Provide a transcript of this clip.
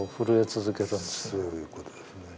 そういう事ですね。